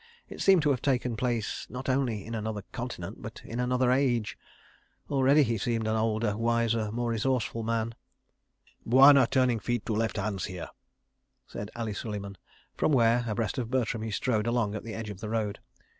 It seemed to have taken place, not only in another continent, but in another age. Already he seemed an older, wiser, more resourceful man. ... "Bwana turning feet to left hands here," said Ali Suleiman from where, abreast of Bertram, he strode along at the edge of the road.